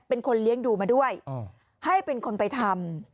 เป็นคนเลี้ยงดูมาด้วยให้เป็นคนไปทำ